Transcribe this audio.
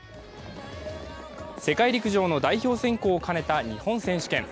世界陸上の代表選考を兼ねた日本選手権。